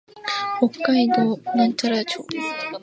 北海道羽幌町